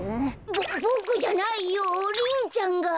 ボボクじゃないよリンちゃんが。